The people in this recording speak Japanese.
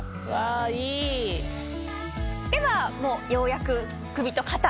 ではようやく首と肩。